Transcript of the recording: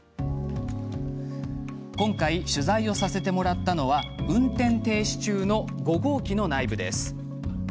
今回、取材をさせてもらったのは運転停止中の５号機の内部。